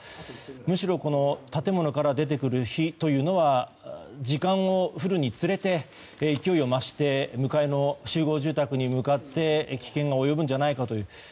むしろ、建物から出てくる火は時間を経るにつれて勢いを増して向かいの集合住宅に向かって危険が及ぶんじゃないかという。